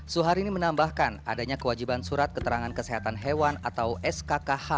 suharini menambahkan adanya kewajiban surat keterangan kesehatan hewan atau skkh